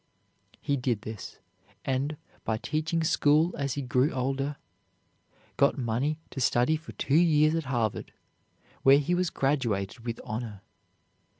He did this; and, by teaching school as he grew older, got money to study for two years at Harvard, where he was graduated with honor.